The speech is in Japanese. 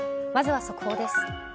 まずは速報です。